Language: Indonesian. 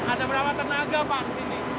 ada berapa tenaga pak di sini